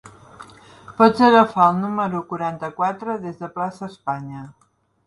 Pots agafar el número quaranta-quatre, des de plaça Espanya.